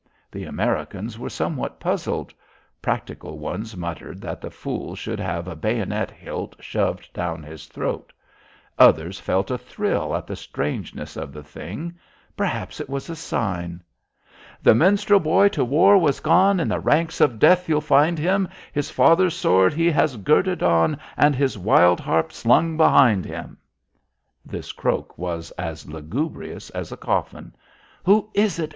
The Americans were somewhat puzzled. Practical ones muttered that the fool should have a bayonet hilt shoved down his throat. Others felt a thrill at the strangeness of the thing. Perhaps it was a sign! "The minstrel boy to the war has gone, In the ranks of death you'll find him, His father's sword he has girded on And his wild harp slung behind him." This croak was as lugubrious as a coffin. "Who is it?